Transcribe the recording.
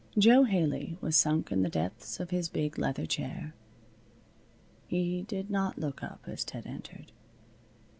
Jo Haley was sunk in the depths of his big leather chair. He did not look up as Ted entered.